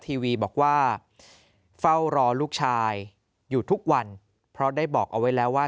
ทีวีบอกว่าเฝ้ารอลูกชายอยู่ทุกวันเพราะได้บอกเอาไว้แล้วว่า